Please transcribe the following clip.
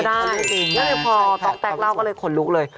แล้วพอต๊อกแต๊กเล่าก็เลยขนลุกเลย